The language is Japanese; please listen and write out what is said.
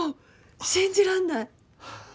信じらんない。